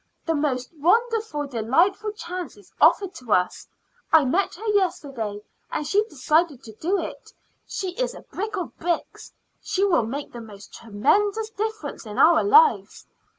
The most wonderful, delightful chance is offered to us. I met her yesterday, and she decided to do it. She is a brick of bricks. She will make the most tremendous difference in our lives.